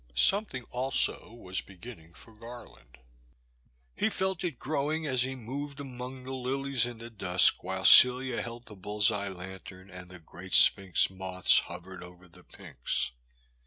Something also was beginning for Gar land; he felt it growing as he moved among the lilies in the dusk while Celia held the bullseye lantern, and the great sphinx moths hovered over the pinks.